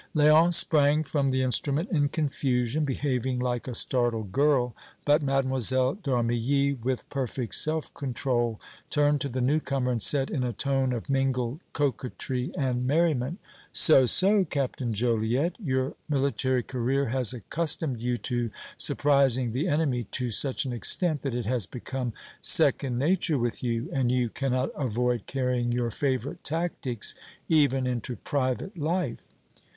Léon sprang from the instrument in confusion, behaving like a startled girl, but Mlle. d'Armilly, with perfect self control, turned to the new comer and said, in a tone of mingled coquetry and merriment: "So, so, Captain Joliette, your military career has accustomed you to surprising the enemy to such an extent that it has become second nature with you, and you cannot avoid carrying your favorite tactics even into private life!"